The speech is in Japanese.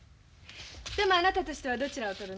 でもあなたとしてはどちらを取るの？